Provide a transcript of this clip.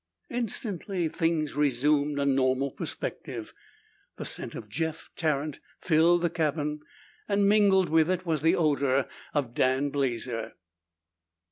Instantly things resumed a normal perspective. The scent of Jeff Tarrant filled the cabin and mingled with it was the odor of Dan Blazer.